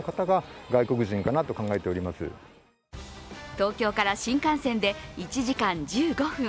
東京から新幹線で１時間１５分。